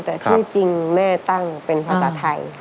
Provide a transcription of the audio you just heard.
แต่ชื่อจริงแม่ตั้งเป็นภาษาไทย